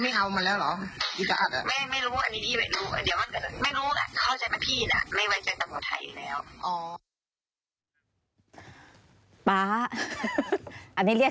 เพราะว่าคุกชี้ตายพี่เนี่ย